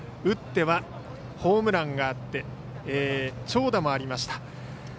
打ってはホームランがあって長打もありました。